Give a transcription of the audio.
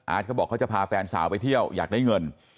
เขาบอกเขาจะพาแฟนสาวไปเที่ยวอยากได้เงิน